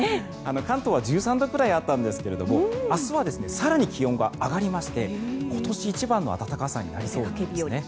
関東は１３度くらいあったんですけども明日は更に気温が上がりまして今年一番の暖かさになりそうですね。